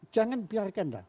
jangan biarkan lah